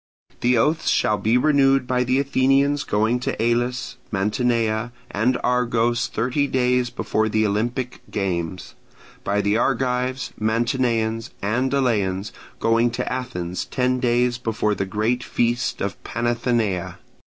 The oaths shall be renewed by the Athenians going to Elis, Mantinea, and Argos thirty days before the Olympic games: by the Argives, Mantineans, and Eleans going to Athens ten days before the great feast of the Panathenaea.